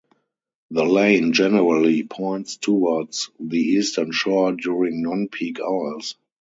The lane generally points towards the eastern shore during non-peak hours.